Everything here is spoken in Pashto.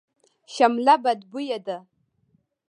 شمله بدبویه ده.